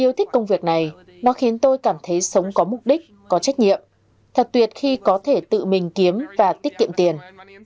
tôi thích công việc này nó khiến tôi cảm thấy sống có mục đích có trách nhiệm thật tuyệt khi có thể tự mình kiếm và tiết kiệm tiền